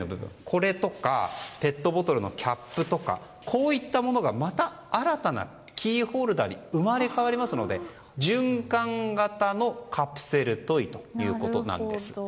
これとか、ペットボトルのキャップとかがまた新たなキーホルダーに生まれ変わりますので循環型のカプセルトイということなんです。